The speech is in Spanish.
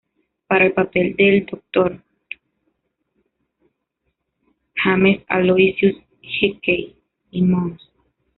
James Aloysius Hickey y Mons.